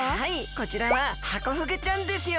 こちらはハコフグちゃんですよ。